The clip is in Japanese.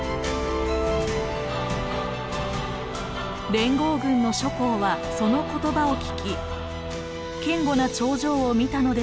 連合軍の諸侯はその言葉を聞き堅固な長城を見たのでしょうか。